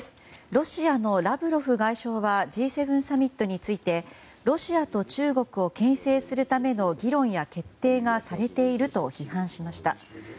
ロシアのラブロフ外相はＧ７サミットについてロシアと中国を牽制するための議論や決定がされていると批判しました。